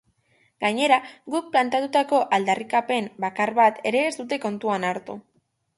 Gainera, guk planteatutako aldarrikapen bakar bat ere ez du kontuan hartu.